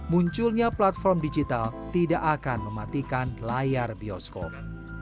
munculnya platform digital tidak akan mematikan layar bioskop